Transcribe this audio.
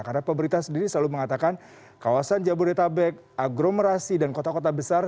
karena pemerintah sendiri selalu mengatakan kawasan jabodetabek agromerasi dan kota kota besar